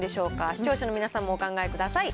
視聴者の皆さんもお考え下さい。